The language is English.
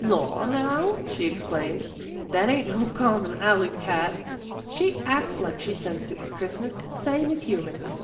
" Law now! " she exclaimed. " That ain't no common alley cat. She acts like she sensed it was Christmas, same as a human."